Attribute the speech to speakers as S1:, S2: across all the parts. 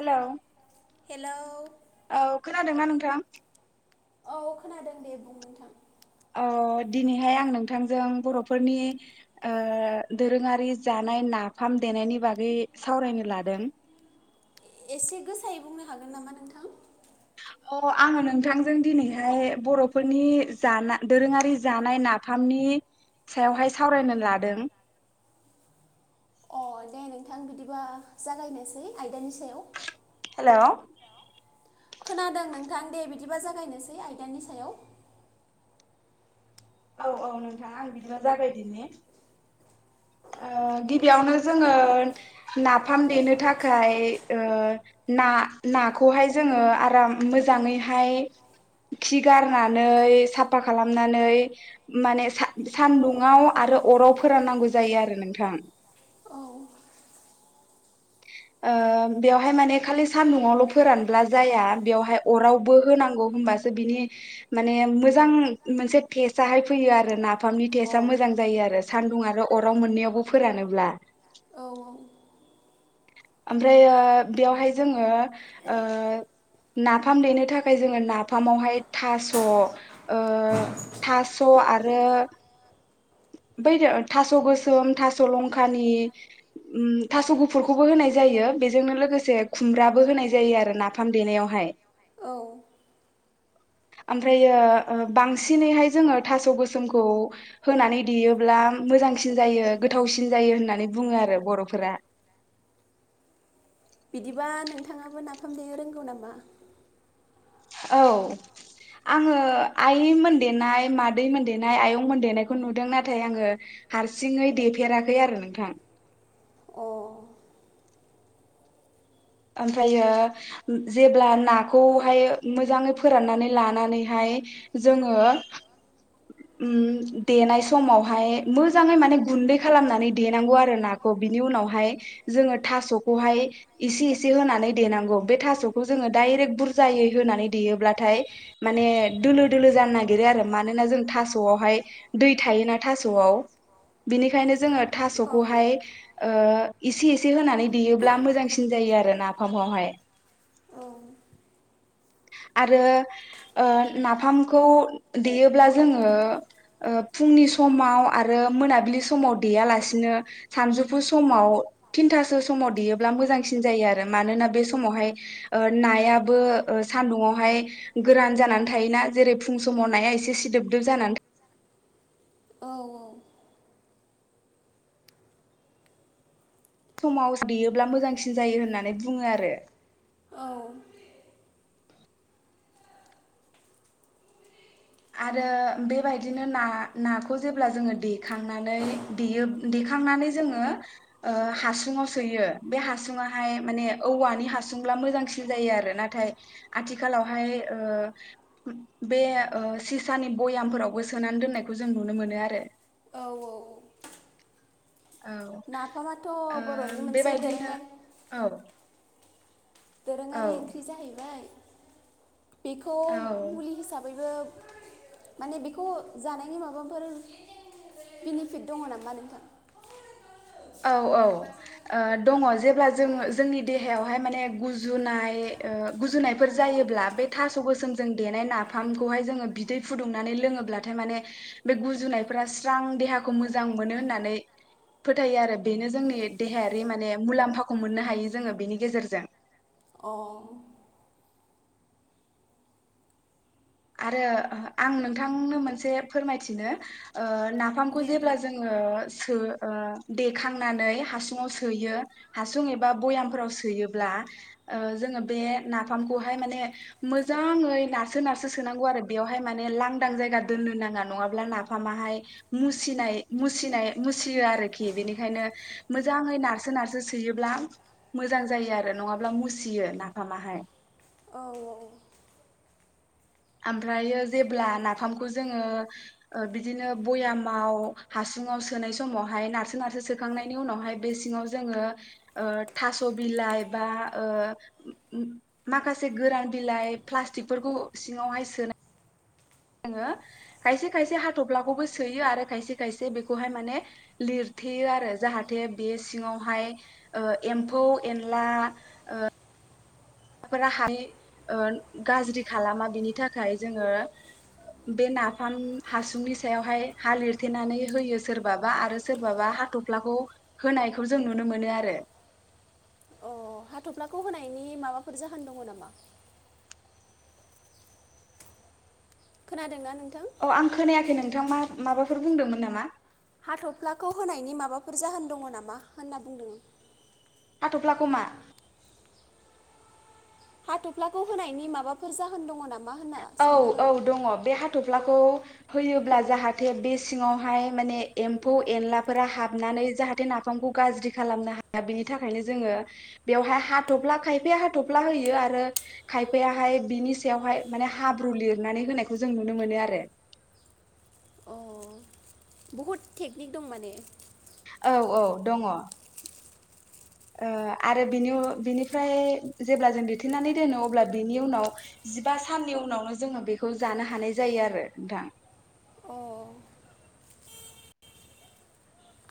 S1: Hello
S2: hello
S1: औ खोनादोंना नोंथां नोथां
S2: औ खोनादों दे बुं नोंथां
S1: अ दिनैहाय आं नोंथांजों बर'फोरनि ओ दोरोङारि जानाय नाफाम देनायनि बागै सावरायनो लादों
S2: एसे गोसायै बुंनो हागोन नामा नोंथां
S1: अ आङो नोंथांजों दिनैहाय बर'फोरनि जाना दोरोङारि जानाय नाफामनि सायावहाय सावरायनो लादों
S2: अ दे नोंथां बिदिबा जागायनोसै आयदानि सायाव
S1: हेलौ
S2: खोनादों नोंथां दे बिदिबा जागायनोसै आयदानि सायाव
S1: औ औ नोंथां आं बिदिबा जागायदिनि ओ गिबियावनो जोङो नाफाम देनो थाखाय ओ ना नाखौहाय जोङो आराम मोजाङैहाय खि गारनानै साफा खालामनानै माने सान सानदुंआव आरो अराव फोराननांगौ जायो आरो नोंथां ओ बेवहाय माने खालि सान्दुआवल' फोरानब्ला जाया बेवहाय अरावबो होनांगौ होनबासो बिनि माने मोजां मोनसे टेस्टआहाय फैयो आरोना नाफामनि
S2: औ। अ।
S1: टेस्टआ
S2: औ
S1: मोजां जायो आरो सान्दुं आरो अराव मोननैयावबो फोरानोब्ला
S2: औ औ
S1: ओमफ्राय ओ बेयावहाय जोङो ओ नाफाम देनो थाखाय जोङो नाफामावहाय थास' ओ थास' आरो बै थास' गोसोम थास' लंखानि उम थास' गुफुरखौबो होनाय जायो बेजोंनो लोगोसे खुमब्राबो होनाय जायो आरो नाफाम देनायावहाय
S2: औ
S1: ओमफ्रायो ओ‌ बांसिनैहाय जोङो थास' गोसोमखौ होनानै देयोब्ला मोजांसिन जायो गोथावसिन जायो होननानै बुङो आरो बर'फोरा
S2: बिदिबा नोंथाङाबो नाफाम देनो रोंगौ नामा
S1: औ आङो आइमोन देनाय मादैमोन देनाय आयंमोन देनायखौ नुदों नाथाय आङो हारसिङै देफेराखै आरो नोंथां
S2: औ
S1: ओमफ्रायो जेब्ला नाखौहाय मोजाङै फोराननानै लानानैहाय जोङो उम देनाय समावहाय मोजाङै माने गुन्दै खालामनानै देनांगौ आरो नाखौ बिनि उनावहाय जोङो थास'खौहाय इसे इसे होनानै देनांगौ बे थखौ जोङो दाइरेक बुरजायै होनानै देयोब्लाथाय माने दोलो दोलो जानो नागिरो आरो मानोना जों थास'आवहाय दै थायोना थास'आव बिनिखायनो जोङो थास'खौहाय ओ इसे एसे होनानै देयोब्ला मोजांसिन जायो आरो नाफामावहाय आरो ओ नाफामखौ देयोब्ला जोङो ओ फुंनि समाव आरो मोनाबिलि समाव देयालासिनो सानजौफु समाव थिनथासो समाव देयोब्ला मोजांसिन जायो आरो मानोना बे समावहाय नायाबो ओ सान्दुुंयावहाय गोरान जानानै थायो ना जेरै फुं समाव नाया एसे सिदोबदोब जानानै था
S2: औ औ
S1: समाव देयोब्ला मोजांसिन जायो होननानै बुङो आरो
S2: औ
S1: आरो बेबायदिनो ना नाखौ जेब्ला जोङो देखांनानैे देखांनानै जोङो ओ हासुङाव सोयो बे हासुङाहाय माने औवानि हासुंब्ला मोजांसिन जायो आरो नाथाय आथिखालावहाय ओ बे ओ सिसानि बयामफोरावबो सोनानै दोननायखौ जों नुनो मोनो आरो
S2: औ औ
S1: औ
S2: नाफामाथ'
S1: ओ
S2: बर'नि मोनसे
S1: बेबायदिनो
S2: दोरोङारि
S1: औ औ
S2: दोरोङारि ओंख्रि जाहैबाय बेखौ
S1: औ
S2: मुलि हिसाबैबो माने बेखौ जानायनि माबाफोर बेनिफिट दङ नामा नोंथां
S1: औ औ ओ दङ जेब्ला जोङो जोंनि देहायावहाय माने गुजुनाय ओ गुजुनायफोर जायोब्ला बे थास' गोसोमजों देनाय नाफामखौहाय जोङो बिदै फुदुंनानै लोङोब्लाथाय माने बे गुजुनायफोरा स्रां देहाखौ मोजां मोनो होननानै फोथ थायो आरो बेनो जोंनि देहायारि माने मुलाम्फाखौ मोननो हायो जोङो बेनि गेजेरजों
S2: अ
S1: आरो आं नोंथांनो मोनसे फोरमायथिनो ओ नाफामखौ
S2: दे
S1: जेब्ला
S2: बुं
S1: जोङो सो ओ देखांनानै हासुङाव सोयो हासुं एबा बयामफोराव सोयोब्ला ओ जोंङो बे नामखौहाय माने मोजाङै नारसो नारसो नसो सोनांगौ आरो बेवहाय माने लांदां जायगा दोननो नाङा नङाब्ला नाफामाहाय मुसिनाय मुसिनाय मुसियो आरोखि बेनिखायनो मोजाङै नारसो नारसो सोयोब्ला मोजां जायो आरो नङाब्ला मुसियो नाफामाहाय
S2: औ औ
S1: ओमफ्रायो जेब्ला नाफामखौ जोङो बिदिनो बयामाव हासुङाव सोनाय समावहाय नारसो नारसो सोखांनायनि उनावहाय बे सिङाव जोङो ओ थास' बिलाइ बा ओ माखासे गोरान बिलाइ प्लास्टिकफोरखौ सिङावहाय सोनाय जोङो खायसे खायसे हाथफ्लाखौबो सोयो आरो खायसे खायसे बेखौहाय माने लिरथेयो आरो जाहाथे बे सिङावहाय ओ एम्फौ एनला ओ फोराहाय ओ गाज्रि खालामा बिनि थाखाय जोङो बे नाफाम हासुंनि सायावहाय हा लिरथेनानै होयो सोरबाबा आरो सोरबाबा हाथ'फ्लाखौ होनायखौ जों नुनो मोनो आरो
S2: अ हाथ'फ्लाखौ होनायनि माबाफोर जाहोन दङ नामा खोनादोंना नों
S1: अ आं खोनायाखै नों थां मा माबाफोर बुंदोंमोन नामा
S2: हाथ'फ्लाखौ होनायनि माबाफोर जाहोन दङ नामा होनना बुंदों
S1: हाथ'फ्लाखौ मा
S2: हाथ'फ्लाखौ होनायनि माबाफोर जाहोन दङ नामा होनना
S1: औ
S2: सोंदों आं
S1: औ दङ बे हाथ' हफ्लाखौ होयोब्ला जाहाथे बे सिङावहाय माने एम्फौ एनलाफोरा हाबनानै जाहाथे बे सिङावहाय माने एम्फौ एनलाफोरा हाबनानै नाफामखौ गाज्रि खालामनो हाया बिनि थाखायनो जोङो बेवहाय हाथ'फ्ला खायफाया हाथ'फ्ला होयो आरो खायफायाहाय बिनि सायावहाय माने हाब्रु लिरनानै होनायखौ जों नुनो मोनो आरो।
S2: अ बहुद टेकनिक दं माने।
S1: औ औ दङ ओ आरो बिनि बिनिफ्राय जेब्ला जों दिथेनानै दोनो अब्ला बिनि उनाव जिबा साननि उनावनो जोङो बेखौ जानो हानाय जायो आरो नोंथां।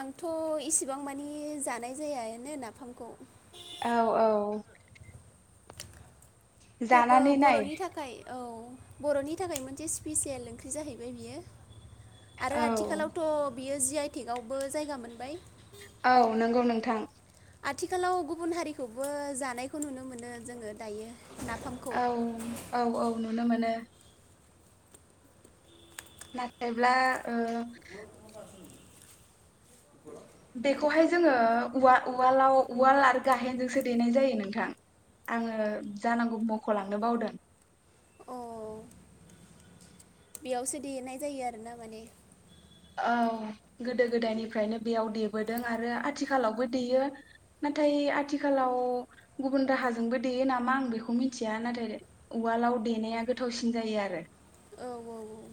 S2: आंथ' इसिबां मानि जानाय जायानो नाफामखौ।
S1: औ औ
S2: थेवबो
S1: जानानै नाय
S2: बर'नि थाखाय औ बर'नि थाखाय मोनसे स्पिेसियेल ओंख्रि जाहैबाय बियो। आरो
S1: औ
S2: आथिखालावथ' बियो जि आइ टेकावबो जायगा मोनबाय।
S1: औ नंगौ नोंथां।
S2: आथिखालाव गुबुन हारिखौबो जानायखौ नुनो मोनो जोङो दायो। नाफामखौ
S1: औ औ औ नुनो मोनो। नाथायब्ला ओ बेखौहाय जोङो उवाल उवालाव उवाल आरो गाहेनजोंसो देनाय जायो नोंथां आङो जानांगौ मख'लांनो बावदों।
S2: अ बेयावसो देनाय जायो आरोना माने।
S1: औ गोदो गोदायनिफ्रायनो बेयाव देबोदों आरो आथिखालावबो देयो नाथाय आथिखालाव गुबुन राहाजोंबो देयो नामा आं बेखौ मिथिया नाथाय उवालाव देनाया गोथावसिन जायो आरो।
S2: औ औ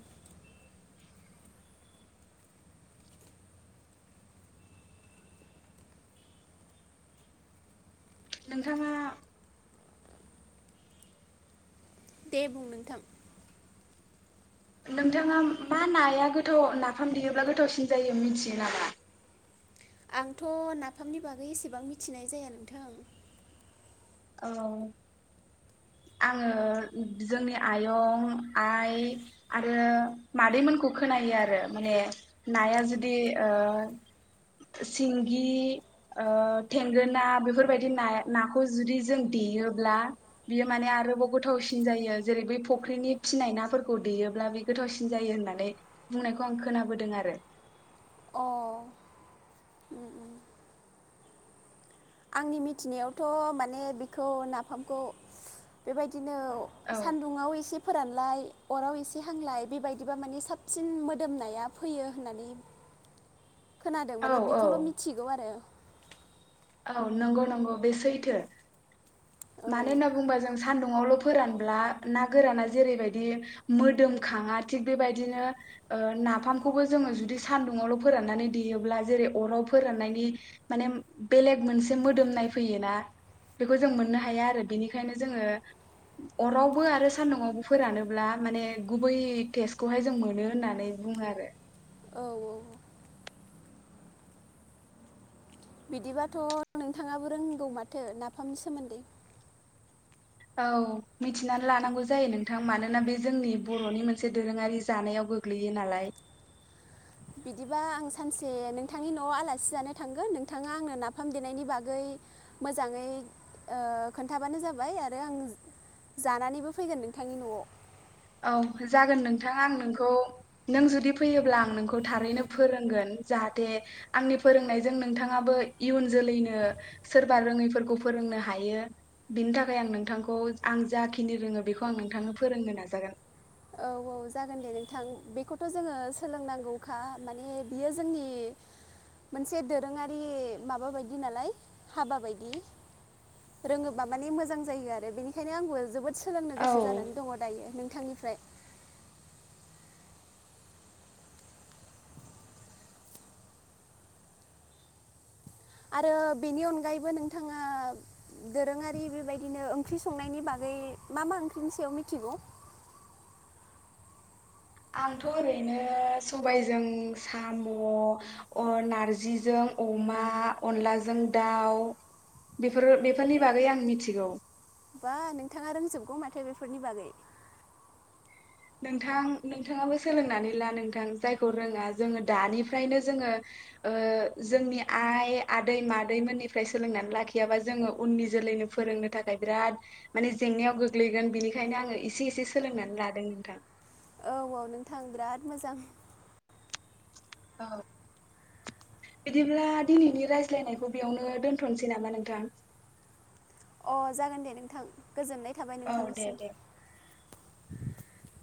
S1: नोंथाङा
S2: दे बुं नोंथां
S1: नोंथाङा मा नाया गोथाव नाफाम देयोब्ला गोथावसिन जायो मिथियो नामा।
S2: आंथ' नाफामनि बागै एसेबां मिथिनाय जाया नोंथां।
S1: औ आङो जोंनि आयं आइ आरो मादैमोनखौ खोनायो आरो माने नाया जुदि ओ सिंगि ओ थेंगोना बेफोरबायदि नाखौ जुदि जों देयोब्ला बियो माने आरोबाव गोथावसिन जायो जेरै बै फुख्रिनि फिनाय नाफोरखौ देयोब्ला बे गोथावसिन जायो होननानै बुंनायखौ आं खोनाबोदों आरो।
S2: अ आंनि मिथिनायावथ' माने बेखौ नाफामखौ बेबायदि बिदिनो
S1: औ
S2: सान्दुंङाव एसे फोरानलाय अराव एसे हांलाय बेबायदिबा माने साबसिन मोदोमनाया फैयो होननानै खोनादों
S1: औ
S2: माने
S1: औ
S2: बेखौल' मिथिगौ आरो।
S1: औ नंगौ नंगौ बे सैथो।
S2: औ
S1: मानो होनना बुंबा जों सान्दुङावल' फोरानब्ला ना गोराना जेरैबायदि मोदोमखाङा थिग बेबायदिनो ओ नाफामखौबो जोङो जुदि सान्दुङावल' फोराननानै देयोब्ला जेरै अराव फोराननायनि माने बेलेग मोनसे मोदोम नायफैयोना बेखौ जों मोननो हाया आरो बिनिखायनो जोङो अरावबो आरो सान्दुंआवबो फोरानोब्ला माने गुबै टेस्टखौहाय जों मोनो होननानै बुङो आरो।
S2: औ औ बिदिबाथ' नोंथाङाबो रोंगौ माथो नाफामनि सोमोन्दै।
S1: औ मिथिनानै लानांगौ जायो नोंथां मानोना बे जोंनि बर'नि मोनसे दोरोङारि जानायाव गोग्लैयो नालाय।
S2: बिदिबा आं सानसे नोंथांनि न'आव आलासि जानो थांगोन नोंथाङा आंनो नाफाम देनायनि बागै मोजाङै ओ खोन्थाबानो जाबाय आरो आं जानानैबो फैगोन नोंथांनि न'आव।
S1: औ जागोन नोंथाङा आं नोंखौ नों जुदि फैयोब्ला आं नोंखौ थारैनो फोरोंगोन जाहाथे आंनि फोरोंनायजों नोंथाङाबो इयुन जोलैनो सोरबा रोङैफोरखौ फोरोंनो हायो बिनि थाखाय आं नोंथांखौ आं जाखिनि रोङो बेखौ आं नोंथांनो फोरोंगोन आरो। जागोन
S2: औ औ जागोन दे नोंथां बेखौथ' जोङो सोलोंनांगौखा माने बियो जोंनि मोनसे दोरोङारि माबा बायदि नालाय हाबा बायदि रोङोबा माने मोजां जायो आरो बेनिखायनो आंबो जोबोद सोलोंनो
S1: औ
S2: गोसो जानानै दङ दायो नों थांनिफ्राय आरो बेनि अनगायैबो नोंथाङा दोरोङारि बेबायदिनो ओंख्रि संनायनि बागै मा मा ओंख्रिनि सायाव मिथिगौ?
S1: आंथ' ओरैनो सबायजों साम' अ नारजिजों अमा अनलाजों दाउ बेफोर बेफोरनि बागै आं मिथिगौ
S2: बा नोंथाङा रोंजोबगौ माथो बेफोरनि बागै
S1: नोंथां नोंथाङाबो सोलोंनानै ला नोंथां जायखौ रोङा जोङो दानिफ्रायनो जोङो ओ जोंनि आइ आदै मादैमोननिफ्राय सोलोंनानै लाखियाबा जोङो उननि जोलैनो फोरोंनो थाखाय बिराद माने जेंनायाव गोग्लैगोन बिनिखायनो आङो एसे एसे सोलोंनानै लादों थां
S2: औ औ नोंथां बिराद मोजां
S1: औ बिदिब्ला दिनैनि रायज्लायनायखौ बेयावनो दोनथ'नोसै नामा नोंथां
S2: अ जागोन दे नोंथां गोजोननाय थाबाय
S1: औ दे
S2: नोंथांनिसिम
S1: दे
S2: [inaudible]